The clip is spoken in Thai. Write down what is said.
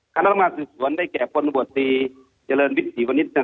คณะทำงานศืกษวนได้แก่ควรรบเจริญวิชีวณิจันทร์